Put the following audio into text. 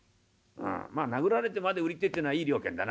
「殴られてまで売りてえってのはいい了見だな。